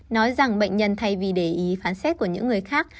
nói rằng bệnh nhân thay vì để ý phán xét của những người khác